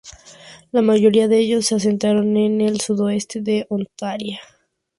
La mayoría de ellos se asentaron en el sudoeste de Ontario.